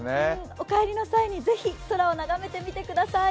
お帰りの際にぜひ空を眺めてみてください。